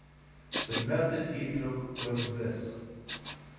The method he took was this.